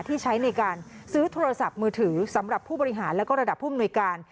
ที่ใช้ในการซื้อโทรศัพท์มือถือสำหรับผู้บริหารแล้วก็ระดับผู้อำนวยการ